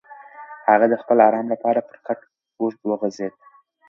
هغه د خپل ارام لپاره پر کټ اوږد وغځېد.